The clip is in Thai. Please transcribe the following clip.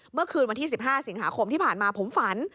เมื่อคืนวันที่๑๕สิงหาคมที่ผ่านมาผมฝัน